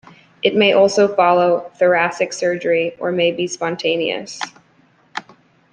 It may also follow thoracic surgery, or may be spontaneous.